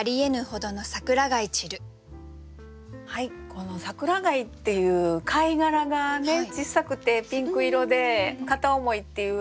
この「桜貝」っていう貝殻がね小さくてピンク色で片思いっていう